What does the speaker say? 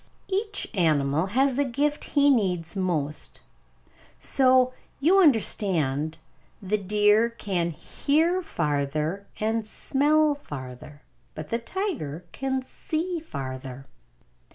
Each Animal has the Gift he Needs Most So, you understand, the deer can hear farther and smell farther; but the tiger can see farther.